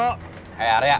nanti gue beli belah